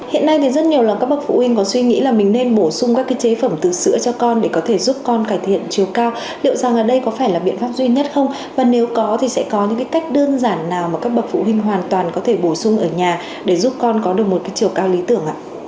hiện nay thì rất nhiều là các bậc phụ huynh có suy nghĩ là mình nên bổ sung các cái chế phẩm từ sữa cho con để có thể giúp con cải thiện chiều cao liệu rằng đây có phải là biện pháp duy nhất không và nếu có thì sẽ có những cái cách đơn giản nào mà các bậc phụ huynh hoàn toàn có thể bổ sung ở nhà để giúp con có được một cái chiều cao lý tưởng ạ